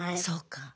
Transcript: そうか。